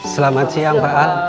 selamat siang pak